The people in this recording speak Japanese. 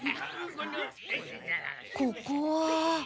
ここは。